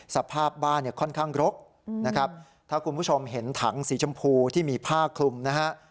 สภาพบ้านเนี่ยค่อนข้างรกนะครับถ้าคุณผู้ชมเห็นถังสีชมพูที่มีผ้าคลุมนะฮะ